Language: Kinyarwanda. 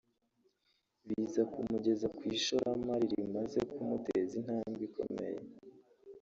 biza kumugeza ku ishoramari rimaze kumuteza intambwe ikomeye